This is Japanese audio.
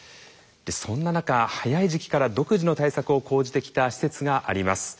そんな中早い時期から独自の対策を講じてきた施設があります。